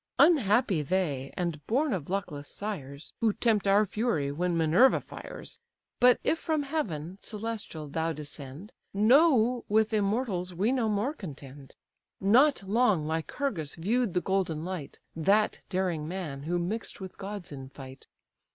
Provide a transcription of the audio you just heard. Unhappy they, and born of luckless sires, Who tempt our fury when Minerva fires! But if from heaven, celestial, thou descend, Know with immortals we no more contend. Not long Lycurgus view'd the golden light, That daring man who mix'd with gods in fight.